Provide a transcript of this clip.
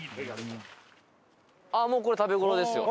あっもうこれ食べ頃ですよ。